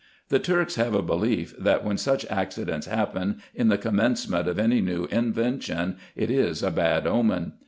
The Turks have a belief, that, when such accidents happen in the commencement of any new inven tion, it is a bad omen.